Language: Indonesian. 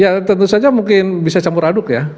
ya tentu saja mungkin bisa campur aduk ya